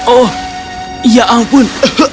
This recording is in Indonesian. oh ya ampun